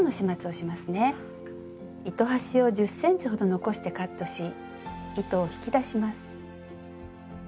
糸端を１０ｃｍほど残してカットし糸を引き出します。